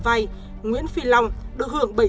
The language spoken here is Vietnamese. vay nguyễn phi long được hưởng